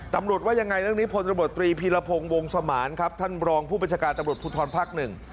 ตำรวจว่ายังไงเรื่องนี้ผลละบรตรีภีรพงศ์วงศมารครับท่านรองผู้บัญชการตำรวจพุทธรภักดิ์หนึ่ง